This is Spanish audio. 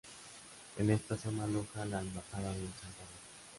En esta zona aloja a la Embajada de El Salvador.